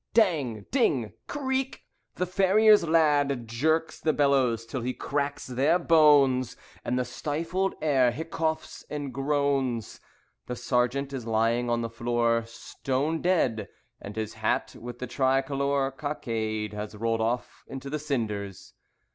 Dang! Ding! Creak! The farrier's lad Jerks the bellows till he cracks their bones, And the stifled air hiccoughs and groans. The Sergeant is lying on the floor Stone dead, and his hat with the tricolore Cockade has rolled off into the cinders.